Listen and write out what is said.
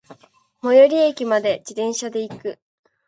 最寄駅まで、自転車で行く。